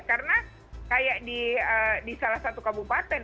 karena kayak di salah satu kabupaten